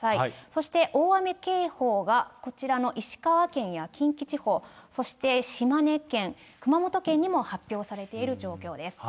そして大雨警報が、こちらの石川県や近畿地方、そして島根県、熊本県にも発表されている状況です。